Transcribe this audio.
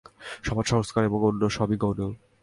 সমাজ-সংস্কার এবং অন্য সবই গৌণ।